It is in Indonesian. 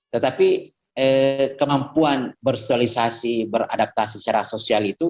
tetapi kemampuan bersosialisasi beradaptasi secara sosial itu